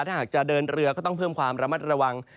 ถ้าหากจะเดินเรือก็ต้องเพิ่มความระมัดระวัง